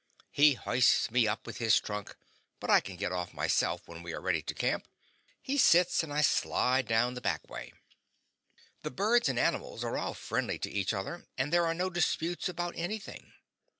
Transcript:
He hoists me up with his trunk, but I can get off myself; when we are ready to camp, he sits and I slide down the back way. The birds and animals are all friendly to each other, and there are no disputes about anything.